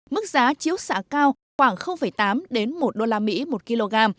mức giá chiếu xạ cao khoảng tám đến một đô la mỹ một kg